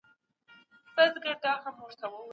مولده پانګه به نوي فابریکې پياوړي کړي.